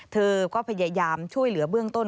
เธอก็พยายามช่วยเหลือเบื้องต้น